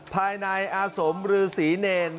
ภายในอาสมรือศรีเนร